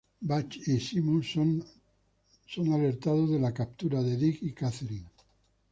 Butch y Seamus son alertados de captura Diggs y Catherine.